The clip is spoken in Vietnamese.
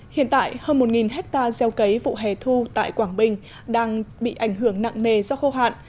hiện tại hơn một hectare gieo cấy vụ hẻ thu tại quảng bình đang bị ảnh hưởng nặng nề do khô hạn